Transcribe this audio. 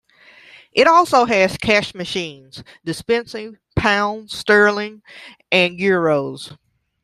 It also has cash machines, dispensing pounds sterling and euros.